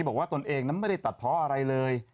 ตนเองนั้นไม่ได้ตัดเพราะอะไรเลย